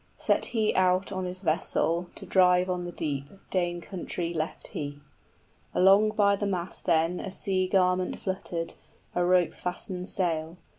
Set he out on his vessel, 15 To drive on the deep, Dane country left he. Along by the mast then a sea garment fluttered, A rope fastened sail.